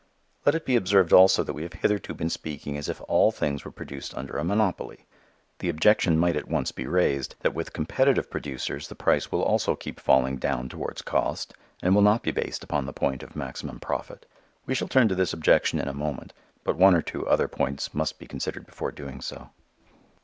Let it be observed also that we have hitherto been speaking as if all things were produced under a monopoly. The objection might at once be raised that with competitive producers the price will also keep falling down towards cost and will not be based upon the point of maximum profit. We shall turn to this objection in a moment. But one or two other points must be considered before doing so.